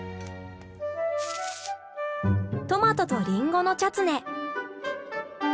「トマトとリンゴのチャツネ」。